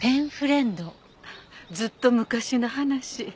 ずっと昔の話。